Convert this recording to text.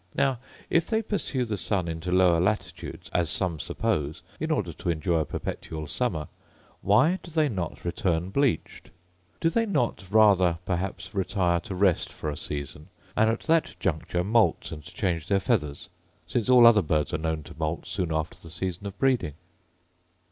Now, if they pursue the sun into lower latitudes, as some suppose, in order to enjoy a perpetual summer, why do they not return bleached ? Do they not rather perhaps retire to rest for a season, and at that juncture moult and change their feathers, since all other birds are known to moult soon after the season of breeding?